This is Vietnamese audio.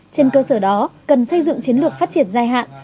trên cơ sở đó cần xây dựng chiến lược phát triển dài hạn